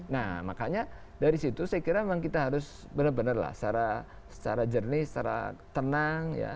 nah makanya dari situ saya kira memang kita harus benar benar lah secara jernih secara tenang